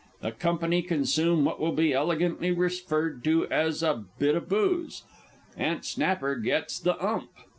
The company consume what will be elegantly referred to as "a bit o' booze."_ Aunt Snapper _"gets the 'ump."